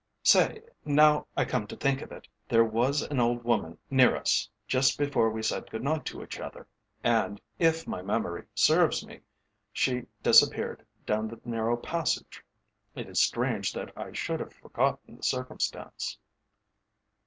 Stay, now I come to think of it, there was an old woman near us just before we said good night to each other, and, if my memory serves me, she disappeared down the narrow passage. It is strange that I should have forgotten the circumstance."